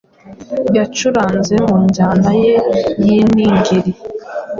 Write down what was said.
yacuranze mu njyana ye y’iningiri.